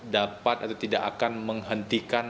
dapat atau tidak akan menghentikan